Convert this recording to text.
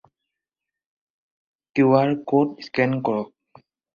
Q R code scan কৰক।